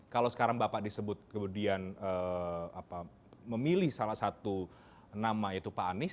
kalau sekarang bapak disebut kemudian memilih salah satu nama yaitu pak anies